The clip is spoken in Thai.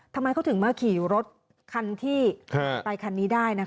ทำไมเขาถึงมาขี่รถคันที่ไปคันนี้ได้นะคะ